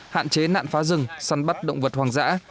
hạn chế nạn phá rừng săn bắt động vật hoang dã